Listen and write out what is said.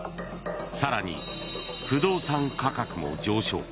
更に、不動産価格も上昇。